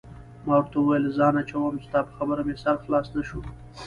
ما ورته وویل: ځان نه اچوم، ستا په خبره مې سر خلاص نه شو.